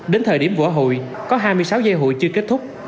đến thời điểm vỡ hụi có hai mươi sáu dây hụi chưa kết thúc